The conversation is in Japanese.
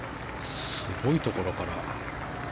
すごいところから。